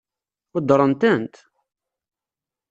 Weddṛent-tent?